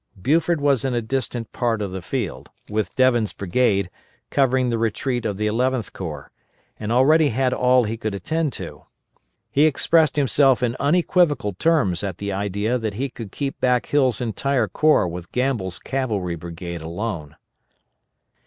Buford was in a distant part of the field, with Devin's brigade, covering the retreat of the Eleventh Corps, and already had all he could attend to. He expressed himself in unequivocal terms at the idea that he could keep back Hill's entire corps with Gamble's cavalry brigade alone.